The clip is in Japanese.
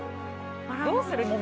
どうする？